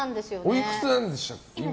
おいくつなんでしたっけ、今。